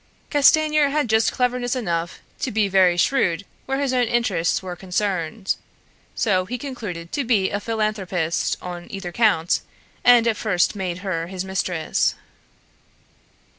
Castanier had just cleverness enough to be very shrewd where his own interests were concerned. So he concluded to be a philanthropist on either count, and at first made her his mistress.